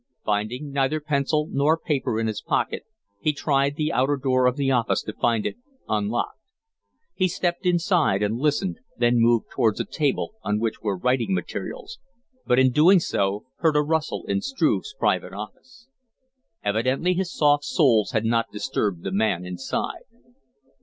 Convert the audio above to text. Finding neither pencil nor paper in his pocket, he tried the outer door of the office, to find it unlocked. He stepped inside and listened, then moved towards a table on which were writing materials, but in doing so heard a rustle in Struve's private office. Evidently his soft soles had not disturbed the man inside.